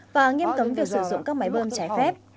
và nghiêm cấm việc sử dụng các máy bơm trái phép